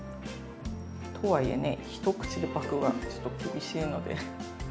とはいえね一口でパクはちょっと厳しいので。